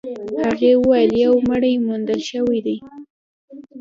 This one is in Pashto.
هغې وويل يو مړی موندل شوی دی.